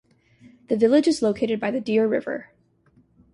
The village is located by the Deer River.